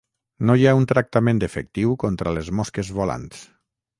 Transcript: No hi ha un tractament efectiu contra les mosques volants.